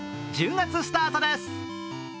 １０月スタートです。